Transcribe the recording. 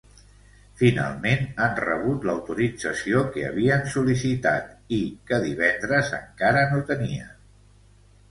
Finalment han rebut l’autorització que havien sol·licitat i que divendres encara no tenien.